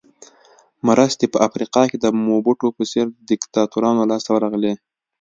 مرستې په افریقا کې د موبوټو په څېر دیکتاتورانو لاس ته ورغلې.